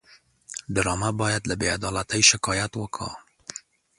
ډرامه باید له بېعدالتۍ شکایت وکړي